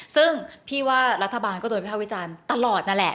ซึ่งพี่ว่ารัฐบาลก็โดนวิภาควิจารณ์ตลอดนั่นแหละ